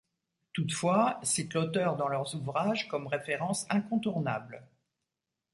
Toutefois, citent l'auteur dans leurs ouvrages comme référence incontournable.